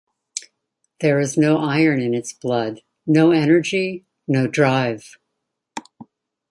There is no iron in its blood, no energy, no drive.